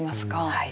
はい。